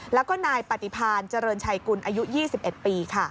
แล้วก็นายปฏิพาณเจริญชัยกุลอายุ๒๑ปี